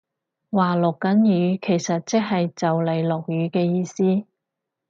話落緊雨其實即係就嚟落雨嘅意思